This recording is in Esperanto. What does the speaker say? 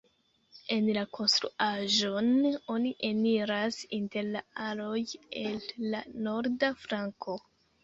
En la konstruaĵon oni eniras inter la aloj el la norda flanko.